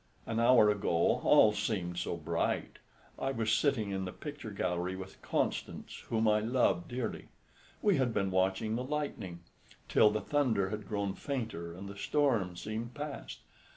An hour ago all seemed so bright. I was sitting in the picture gallery with Constance, whom I love dearly. We had been watching the lightning, till the thunder had grown fainter and the storm seemed past.